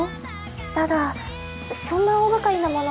ただそんな大がかりなもの